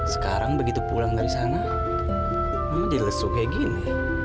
sekarang begitu pulang dari sana mama jelesuk kayak gini